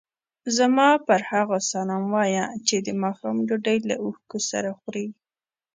زما پر هغو سلام وایه چې د ماښام ډوډۍ له اوښکو سره خوري.